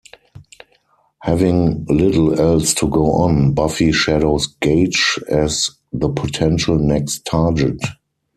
Having little else to go on, Buffy shadows Gage as the potential next target.